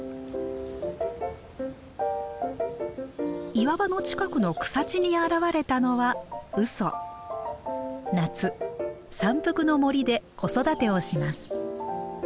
岩場の近くの草地に現れたのは夏山腹の森で子育てをします。